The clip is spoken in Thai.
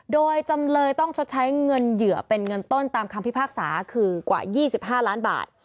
โดยจำเลยต้องชดใช้เงินเหยื่อเป็นเงินต้นตามคำพิพากษาคือกว่า๒๕ล้านบาท